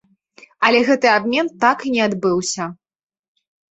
Але гэты абмен так і не адбыўся.